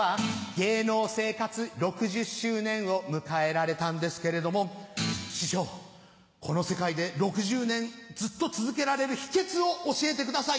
芸能生活６０周年を迎えられたんですけれども師匠この世界で６０年ずっと続けられる秘訣を教えてください。